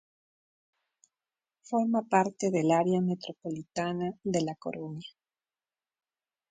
Forma parte del área metropolitana de La Coruña.